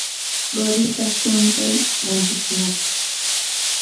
qurita shuntay rantikunapaq.